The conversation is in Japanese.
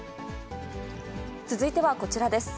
続いてはこちらです。